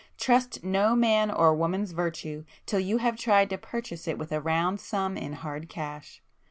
Trust no man or woman's virtue till you have tried to purchase it with a round sum in hard cash!